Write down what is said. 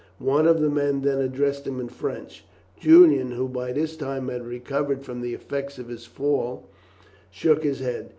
One of the men then addressed him in French. Julian, who by this time had recovered from the effects of his fall, shook his head.